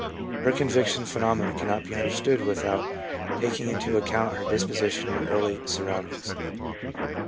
Her conviction phenomena cannot be understood without taking into account her disposition and early surroundings.